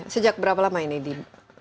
sejak berapa lama ini di